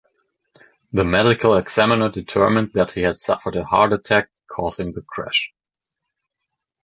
The medical examiner determined that he had suffered a heart attack, causing the crash.